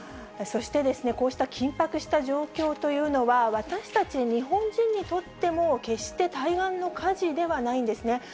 そしてこうした緊迫した状況というのは、私たち日本人にとっても、決して対岸の火事ではないんですね。